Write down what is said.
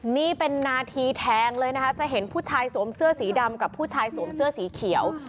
นี่เป็นนาทีแทงเลยนะคะจะเห็นผู้ชายสวมเสื้อสีดำกับผู้ชายสวมเสื้อสีเขียว